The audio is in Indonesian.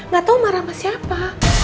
gak tau marah sama siapa